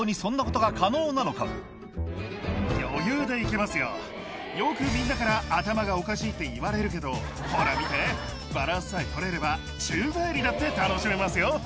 まさに果たしてよくみんなから頭がおかしいって言われるけどほら見てバランスさえ取れれば宙返りだって楽しめますよ。